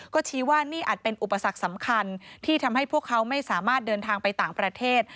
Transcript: ก็ชี้ว่านี่อาจเป็นอุปสรรคสำคัญที่ทำให้พวกเขาไม่สามารถเดินทางไปต่างประเทศ